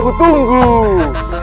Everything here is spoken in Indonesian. ini dia yang menunggu